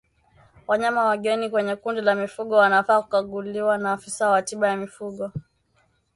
Wanyama wageni kwenye kundi la mifugo wanafaa kukaguliwa na afisa wa tiba ya mifugo